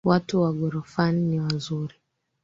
Watu wa ghorofani ni wazuri